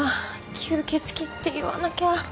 吸血鬼って言わなきゃ。